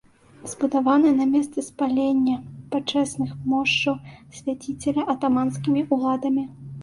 Збудаваны на месцы спалення пачэсных мошчаў свяціцеля атаманскімі ўладамі.